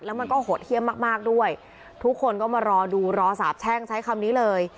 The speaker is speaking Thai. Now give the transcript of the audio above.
แล้วมันก็โหดเยี่ยมมากมากด้วยทุกคนก็มารอดูรอสาบแช่งใช้คำนี้เลย